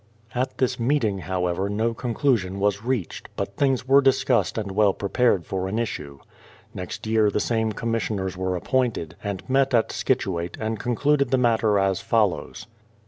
At this meeting, however, no conclusion was reached; but things were discussed and well prepared for an issue. Next year the same commissioners were appointed, and met at Scituate, and concluded the matter as follows.